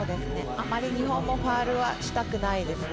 あまり日本もファウルはしたくないですね。